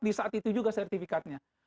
di saat itu juga sertifikatnya